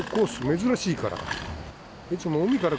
珍しいから。